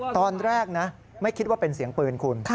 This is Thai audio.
ตอนแรกนะไม่คิดว่าเป็นเสียงปืนคุณ